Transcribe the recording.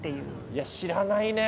いや知らないね。